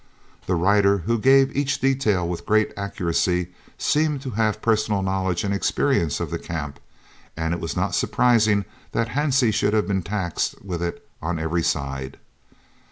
The writer, who gave each detail with great accuracy, seemed to have personal knowledge and experience of the Camp, and it was not surprising that Hansie should have been taxed with it on every side.